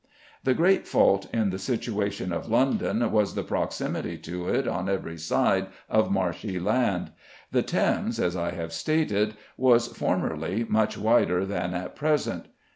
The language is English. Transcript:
The great fault in the situation of London was the proximity to it on every side of marshy land. The Thames, as I have stated, was formerly much wider than at present.